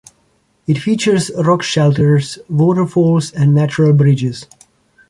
It features rock shelters, waterfalls, and natural bridges.